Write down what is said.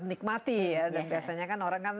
nikmati ya dan biasanya kan orang kan